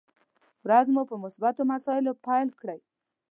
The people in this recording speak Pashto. ورځ مو پر مثبتو مسايلو پيل کړئ!